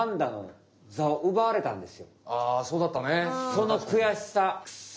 あそうだったね。クソ！